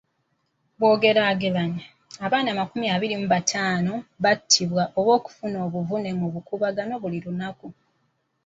Bw'ogeraageranya, abaana amakumi abiri mu bataano battibwa oba bafuna obuvune mu bukuubagano buli lunaku.